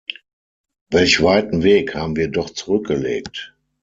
Welch weiten Weg haben wir doch zurückgelegt!